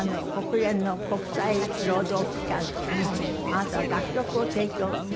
国連の国際労働機関にあなたは楽曲を提供。